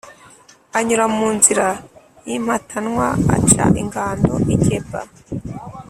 Anyura mu nzira y’impatanwa, aca ingando i Geba.